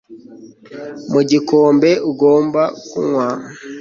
Mu gikombe ugomba kunywa